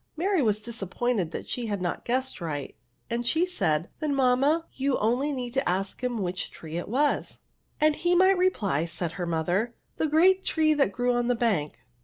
Mary was disappointed that she had not guessed right, and she said, '^ Then, mamma, you need only ask him which tree it was»" '' And he might reply," said her mother, the great tree that grew on the bank